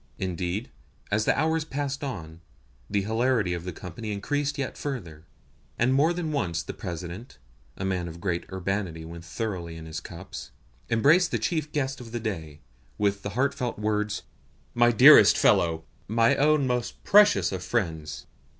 Indeed, as the hours passed on, the hilarity of the company increased yet further, and more than once the President (a man of great urbanity when thoroughly in his cups) embraced the chief guest of the day with the heartfelt words, "My dearest fellow! My own most precious of friends!"